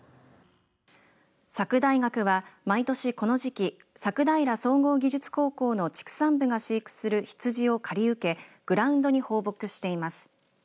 佐久大学は毎年この時期佐久平総合技術高校の畜産部が飼育するヒツジを借り受けグラウンドに放牧しています。